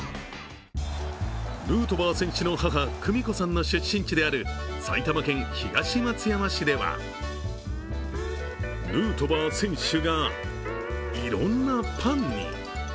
ヌートバー選手の母・久美子さんの出身地である埼玉県東松山市ではヌートバー選手がいろんなパンに。